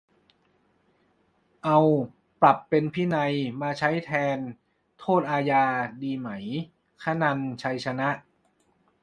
เอา "ปรับเป็นพินัย" มาใช้แทน "โทษอาญา" ดีไหม - คนันท์ ชัยชนะ